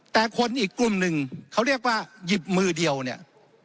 แต่คนอีกกลุ่มหนึ่งเขาเรียกว่าหยิบมือเดียวเนี่ย